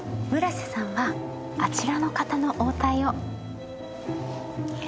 村瀬さんはあちらの方の応対を。